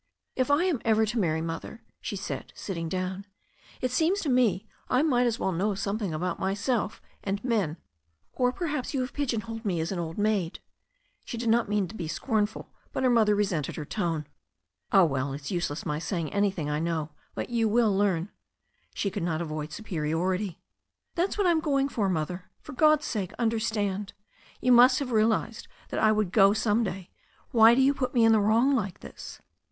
"If I am ever to marry. Mother/' she said, sitting down, "it seems to me I might as well know something about my self and men. Or perhaps you have me pigeon holed as an old maid." She did not mean to be scornful, but her mother resented her tone. "Oh, well, it's useless my saying anything, I know. But you will learn." She could not avoid superiority. "That's what I'm going for. Mother. For God's sake^ understand. You must have realized that I would go some day. Why do you put me in the wrong like this?"